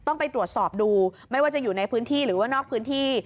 ต้องไปตรวจสอบดูไม่ว่าจะอยู่ในพื้นที่หรือว่านอกพื้นที่